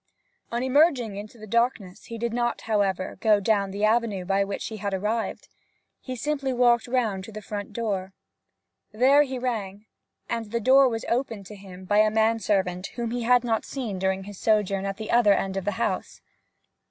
On emerging into the darkness he did not, however, go down the avenue by which he had arrived. He simply walked round to the front door. There he rang, and the door was opened to him by a man servant whom he had not seen during his sojourn at the other end of the house.